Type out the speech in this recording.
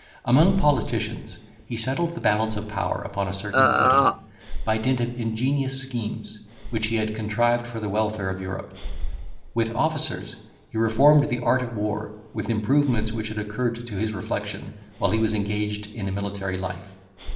Among politicians, he settled the balance of power upon a certain footing, by dint of ingenious schemes, which he had contrived for the welfare of Europe. With officers, he reformed the art of war, with improvements which had occurred to his reflection while he was engaged in a military life.